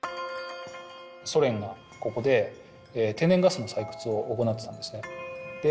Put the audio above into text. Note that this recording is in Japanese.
ソ連がここで天然ガスの採掘を行ってたんですね。